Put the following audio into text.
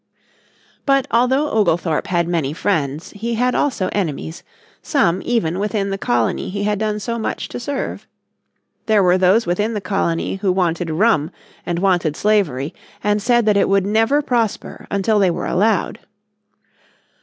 But, although Oglethorpe had many friends, he had also enemies, some even within the colony he had done so much to serve. There were those within the colony who wanted rum and wanted slavery and said that it would never prosper until they were allowed.